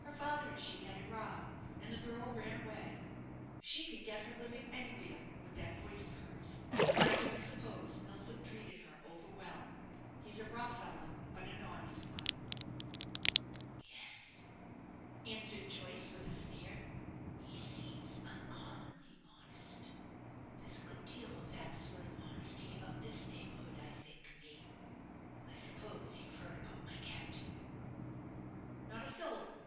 Her father and she had a row, and the girl ran away. She can get her living anywhere with that voice of hers; and I don't suppose Milsom treated her over well. He's a rough fellow, but an honest one." "Yes," answered Joyce, with a sneer; "he seems uncommonly honest. There's a good deal of that sort of honesty about this neighbourhood, I think, mate. I suppose you've heard about my captain?" "Not a syllable.